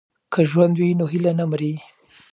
که ژوند وي نو هیله نه مري.